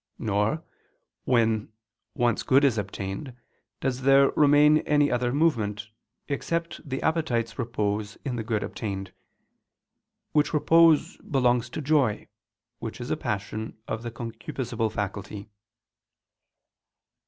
Nor, when once good is obtained, does there remain any other movement, except the appetite's repose in the good obtained; which repose belongs to joy, which is a passion of the concupiscible faculty.